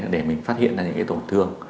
để mình phát hiện ra những cái tổn thương